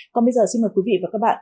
còn bây giờ xin mời quý vị và các bạn